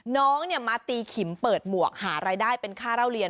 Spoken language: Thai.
น้องมาตีขิมเปิดหมวกหารายได้เป็นค่าเล่าเรียน